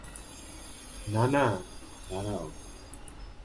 না, না, দাঁড়াও।